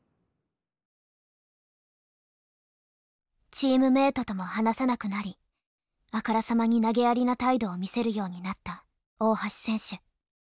チームメートとも話さなくなりあからさまになげやりな態度を見せるようになった大橋選手。